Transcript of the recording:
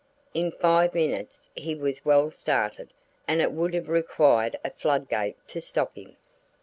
In five minutes he was well started, and it would have required a flood gate to stop him.